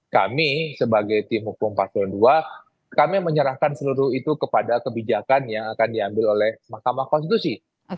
kami sebagai tim hukum paslon dua kami menyerahkan seluruh itu kepada kebijakan yang akan diambil oleh mahkamah konstitusi